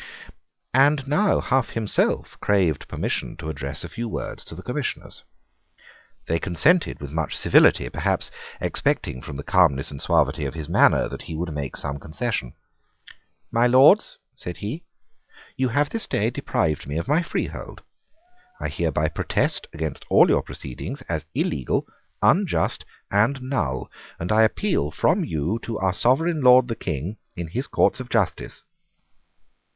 And now Hough himself craved permission to address a few words to the Commissioners. They consented with much civility, perhaps expecting from the calmness and suavity of his manner that he would make some concession. "My Lords," said he, "you have this day deprived me of my freehold: I hereby protest against all your proceedings as illegal, unjust, and null; and I appeal from you to our sovereign Lord the King in his courts of justice."